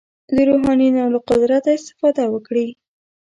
د روحانیونو له قدرت استفاده وکړي.